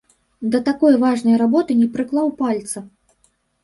Да такой важнай работы не прыклаў пальца!